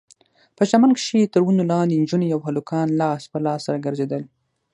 په چمن کښې تر ونو لاندې نجونې او هلکان لاس په لاس سره ګرځېدل.